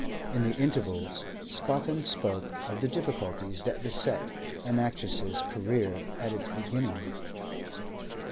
In the intervals, Scawthorne spoke of the difficulties that beset an actress's career at its beginning.